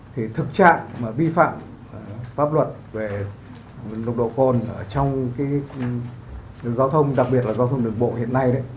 thực trạng mà vi phạm pháp luật về nồng độ cồn trong giao thông đặc biệt là giao thông đường bộ hiện nay